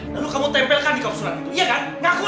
lalu kamu tempelkan di kaosulan itu